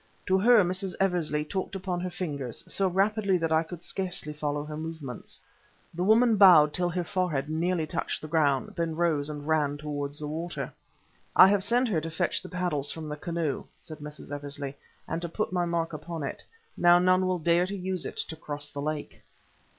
To her Mrs. Eversley talked upon her fingers, so rapidly that I could scarcely follow her movements. The woman bowed till her forehead nearly touched the ground, then rose and ran towards the water. "I have sent her to fetch the paddles from the canoe," said Mrs. Eversley, "and to put my mark upon it. Now none will dare to use it to cross the lake."